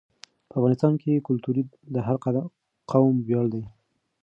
په افغانستان کې کلتور د هر قوم ویاړ دی.